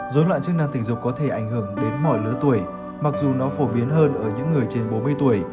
dối loạn chức năng tình dục có thể ảnh hưởng đến mọi lứa tuổi mặc dù nó phổ biến hơn ở những người trên bốn mươi tuổi